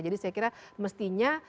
jadi saya kira mestinya